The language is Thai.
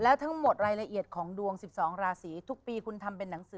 แล้วทั้งหมดรายละเอียดของดวง๑๒ราศีทุกปีคุณทำเป็นหนังสือ